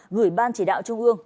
ngửi ban chỉ đạo trung ương